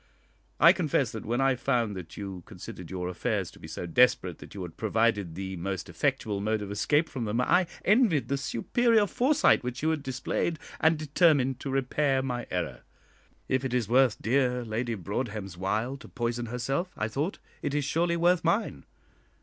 I confess that, when I found that you considered your affairs to be so desperate that you had provided the most effectual mode of escape from them, I envied the superior foresight which you had displayed, and determined to repair my error. If it is worth dear Lady Broadhem's while to poison herself, I thought, it is surely worth mine.